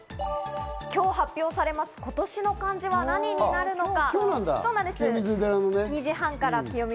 今日発表されます、今年の漢字は何になるのか？